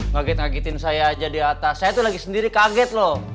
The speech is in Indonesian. ngagetin ngagetin saya aja di atas saya tuh lagi sendiri kaget loh